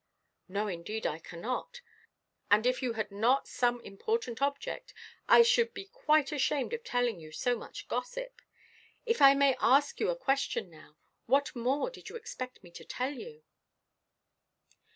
"No, indeed I cannot. And if you had not some important object, I should be quite ashamed of telling you so much gossip. If I may ask you a question now, what more did you expect me to tell you?"